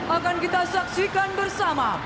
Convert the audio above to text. akan kita saksikan bersama